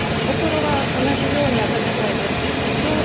心は同じようにあたたかいです。